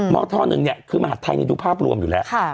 มธหนึ่งคือมหัฒน์ไทยดูภาพรวมอยู่แล้ว